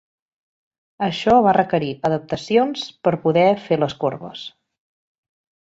Això va requerir adaptacions per poder fer les corbes.